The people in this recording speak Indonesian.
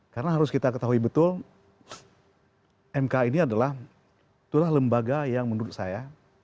karena harus kita ketahui betul mk ini adalah itulah lembaga yang menurut saya